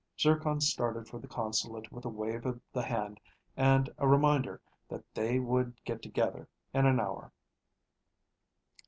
Zircon started for the consulate with a wave of the hand and a reminder that they would get together in an hour.